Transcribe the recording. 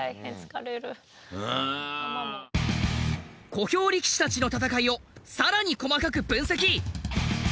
小兵力士たちの戦いを更に細かく分析。